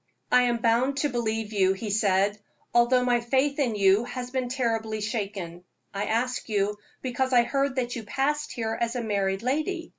"I am bound to believe you," he said, "although my faith in you has been terribly shaken. I ask you because I heard that you passed here as a married lady.